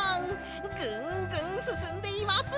ぐんぐんすすんでいます！